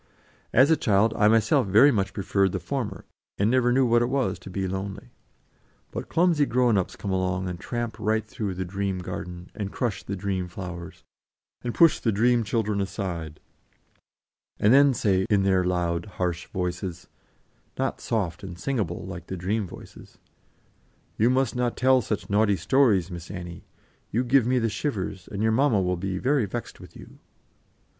As a child, I myself very much preferred the former, and never knew what it was to be lonely. But clumsy grown ups come along and tramp right through the dream garden, and crush the dream flowers, and push the dream children aside, and then say, in their loud, harsh voices not soft and singable like the dream voices "You must not tell such naughty stories, Miss Annie; you give me the shivers, and your mamma will be very vexed with you."